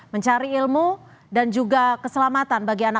mencari ilmu dan juga keselamatan bagi anak anak